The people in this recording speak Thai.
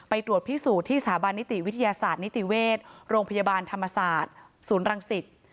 ตรวจพิสูจน์ที่สถาบันนิติวิทยาศาสตร์นิติเวชโรงพยาบาลธรรมศาสตร์ศูนย์รังสิต